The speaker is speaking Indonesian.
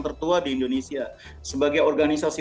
tertua di indonesia sebagai organisasi